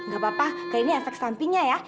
gak apa apa kayak ini efek sampingnya ya